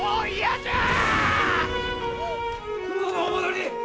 殿のお戻り！